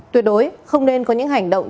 tuyệt đối không nên có những hành động